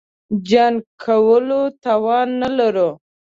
جنګ کولو توان نه لرو.